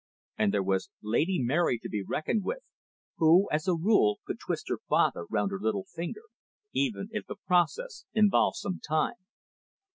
And there was Lady Mary to be reckoned with, who, as a rule, could twist her father round her little finger, even if the process involved some time.